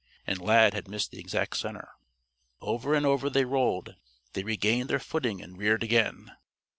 And Lad had missed the exact center. Over and over they rolled. They regained their footing and reared again.